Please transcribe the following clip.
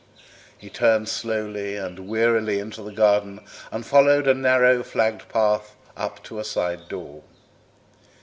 He turned slowly and wearily into the garden and followed a narrow, flagged path up to a side door.